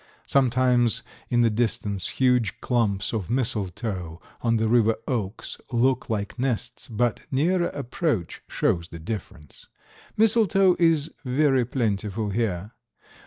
Sometimes in the distance huge clumps of mistletoe on the river oaks look like nests, but nearer approach shows the difference. Mistletoe is very plentiful here.